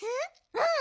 うん！